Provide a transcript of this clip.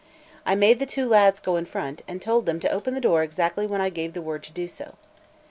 I made the two lads go in front, and told them to open the door exactly when I gave the word to do so.